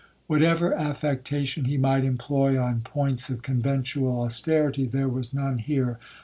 Whatever affectation he might employ on points of conventual austerity, there was none here.